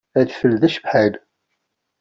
Adfel d acebḥan.